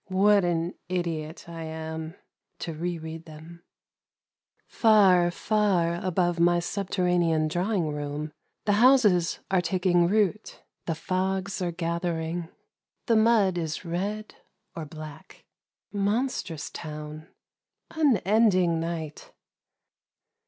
What an idiot I am to re read them ! Far, far above my subterranean drawing room the houses are taking root, the fogs are gathering. The mud is red or black. Monstrous town, unending night